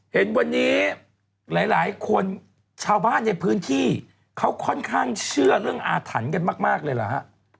เห็นวันนี้หลายคนชาวบ้านในพื้นที่เขาค่อนข้างเชื่อเรื่องอาถรรพ์กันมากเลยเหรอฮะ